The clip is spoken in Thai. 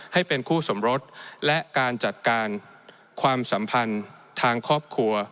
ให้เป็นคู่สมรสและการจัดการความสัมพันธ์ทางครอบครัว